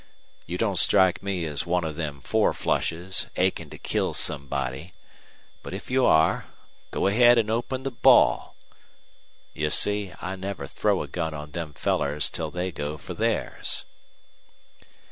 You don't strike me as one of them four flushes, achin' to kill somebody. But if you are go ahead an' open the ball.... You see, I never throw a gun on them fellers till they go fer theirs."